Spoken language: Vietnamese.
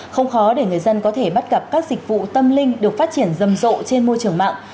không khó để người dân có thể bắt gặp các dịch vụ tâm linh được phát triển rầm rộ trên môi trường mạng